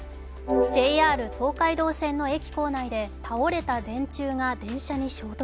ＪＲ東海道線の駅構内で倒れた電柱が電車に衝突。